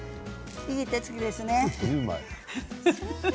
いい手つきですね。